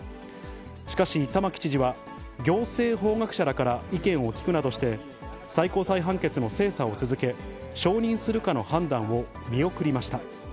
しかし玉城知事は、行政法学者らから意見を聞くなどして、最高裁判決の精査を続け、承認するかの判断を見送りました。